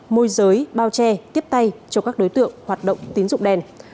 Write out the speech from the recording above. môi giới bao che tiếp tay cho các đối tượng hoạt động tín dụng đen